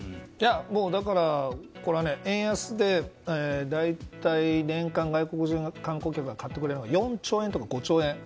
だから、これは円安で大体、年間で外国人観光客が買ってくれるのが４兆円とか５兆円。